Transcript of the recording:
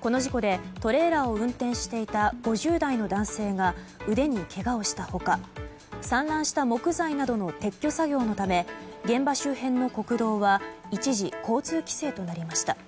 この事故で、トレーラーを運転していた５０代の男性が腕にけがをした他、散乱した木材などの撤去作業のため現場周辺の国道は一時交通規制となりました。